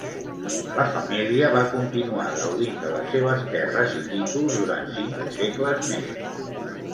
La família va continuar gaudint de les seves terres i títols durant cinc segles més.